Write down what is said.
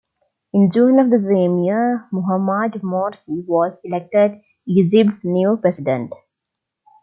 In June of the same year Muhammad Morsi was elected Egypt's new president.